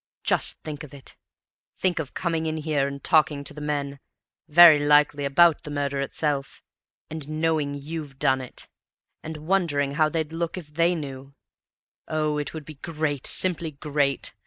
Just think of it! Think of coming in here and talking to the men, very likely about the murder itself; and knowing you've done it; and wondering how they'd look if THEY knew! Oh, it would be great, simply great!